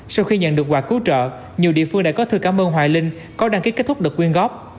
sau khi nhận được quà cứu trợ nhiều địa phương đã có thư cảm ơn hoài linh có đăng ký kết thúc đợt quyên góp